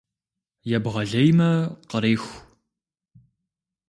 Ебгъэлеймэ — къреху.